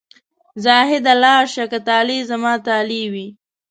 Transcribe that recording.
زاهده لاړ شه که طالع زما طالع وي.